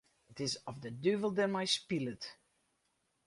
It is oft de duvel dermei spilet.